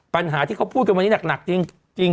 ปัญหาที่เขาพูดกันวันนี้หนักจริง